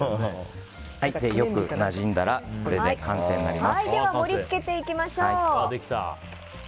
よくなじんだらこれで完成になります。